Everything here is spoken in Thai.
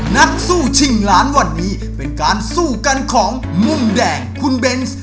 นักสู้ชิงล้านวันนี้เป็นการสู้กันของมุมแดงคุณเบนส์